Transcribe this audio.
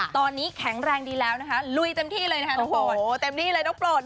ตอนนี้แข็งแรงดีแล้วนะคะลุยเต็มที่เลยนะคะน้องโปรด